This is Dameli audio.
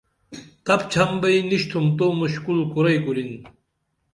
تپچھم بئی نِشِتُھوپ تو مُشکُل کُرئی کُرِن